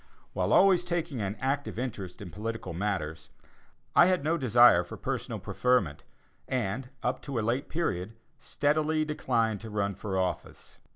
While always taking an active interest in political matters, I had no desire for personal preferment, and, up to a late period, steadily declined to run for office.